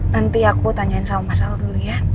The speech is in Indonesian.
nanti aku tanyain sama mas al dulu ya